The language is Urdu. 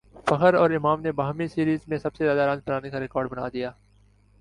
فخر اور امام نے باہمی سیریز میں سب سے زیادہ رنز بنانے کاریکارڈ بنادیا